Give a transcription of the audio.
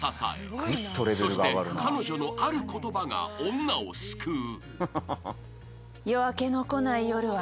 ［そして彼女のある言葉が女を救う］